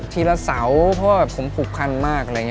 ทีละเสาเพราะผมผูกพันมาก